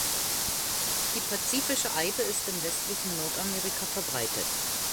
Die Pazifische Eibe ist im westlichen Nordamerika verbreitet.